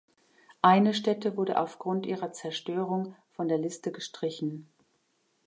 Eine Stätte wurde aufgrund ihrer Zerstörung von der Liste gestrichen.